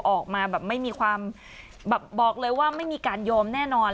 ออกมาแบบไม่มีความแบบบอกเลยว่าไม่มีการโยมแน่นอน